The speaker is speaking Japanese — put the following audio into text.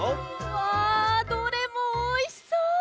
わどれもおいしそう！